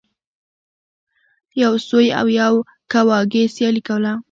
یو سوی او یو کواګې سیالي کوله.